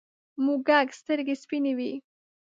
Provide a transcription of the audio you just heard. موږک سترگې سپینې وې.